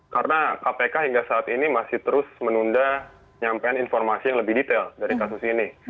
karena kpk hingga saat ini masih terus menunda nyampein informasi yang lebih detail dari kasus ini